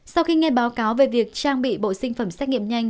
sau khi nghe báo cáo về việc trang bị bộ sinh phẩm xét nghiệm nhanh